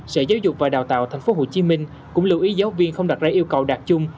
sở giáo dục và đào tạo tp hcm cũng lưu ý giáo viên không đặt ra yêu cầu đạt chung